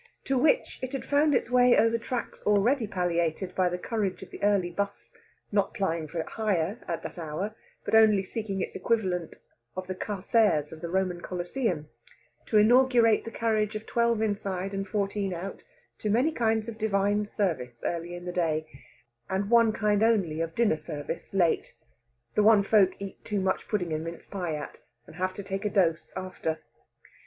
to which it had found its way over tracks already palliated by the courage of the early 'bus not plying for hire at that hour, but only seeking its equivalent of the carceres of the Roman Coliseum, to inaugurate the carriage of twelve inside and fourteen out to many kinds of Divine Service early in the day, and one kind only of dinner service late the one folk eat too much pudding and mince pie at, and have to take a dose after.